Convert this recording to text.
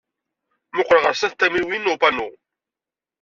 Muqel ɣer snat tamiwin upanu.